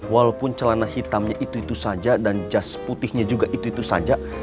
walaupun celana hitamnya itu itu saja dan jas putihnya juga itu itu saja